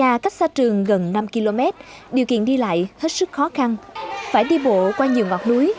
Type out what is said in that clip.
nằm xa cách xa trường gần năm km điều kiện đi lại hết sức khó khăn phải đi bộ qua nhiều ngọt núi